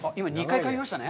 今、２回かみましたね。